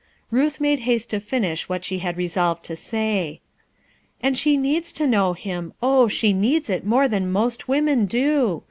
Ruth made haste to finish what she had re solved to say. "And she needs to know Him ; oh! she needs it more than most women do.